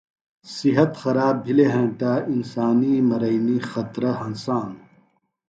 صحت خراب بھلِیۡ ہینتہ انسانی مرینیۡ خطرہ ہنسانوۡ۔